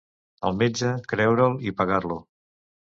El metge creure'l i pagar-lo.